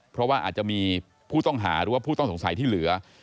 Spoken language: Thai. เพราะว่าอาจจะมีผู้ต้องหาหรือว่าผู้ต้องสงสัยที่เหลือ